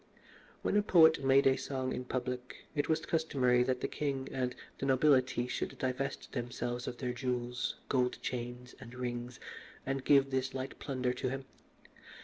When a poet made a song in public, it was customary that the king and the nobility should divest themselves of their jewels, gold chains, and rings, and give this light plunder to him.